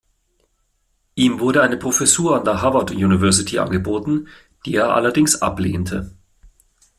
Ihm wurde eine Professur an der Harvard University angeboten, die er allerdings ablehnte.